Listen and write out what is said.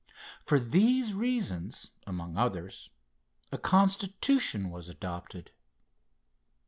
For these reasons, among others, a Constitution was adopted.